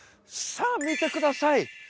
さぁ見てください！